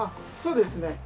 そうですね。